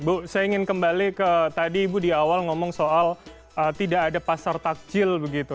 bu saya ingin kembali ke tadi ibu di awal ngomong soal tidak ada pasar takjil begitu